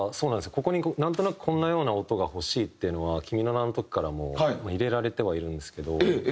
ここになんとなくこんなような音が欲しいっていうのは『君の名は。』の時からも入れられてはいるんですけど。